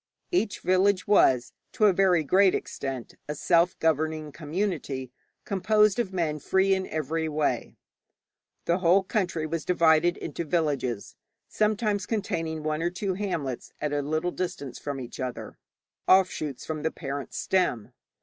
Each village was to a very great extent a self governing community composed of men free in every way. The whole country was divided into villages, sometimes containing one or two hamlets at a little distance from each other offshoots from the parent stem.